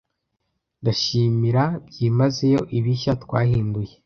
ndashimira byimazeyo ibishya twahinduye